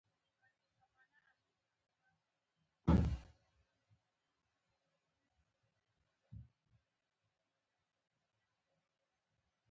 عملیات مې پیل شول، لمړی يې کالي رانه وایستل.